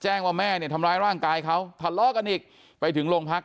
แจ้งว่าแม่ทำลายร่างกายเขาต่อร้องกันอีกไปถึงโรงพัก